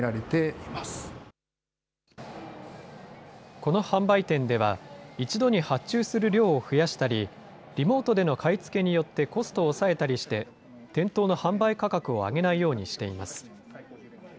この販売店では、一度に発注する量を増やしたり、リモートでの買い付けによってコストを抑えたりして、店頭の販売価格を上げないようにしています。